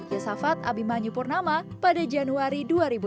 yesafat abimanyu purnama pada januari dua ribu dua puluh